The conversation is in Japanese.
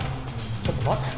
ちょっと待てよ。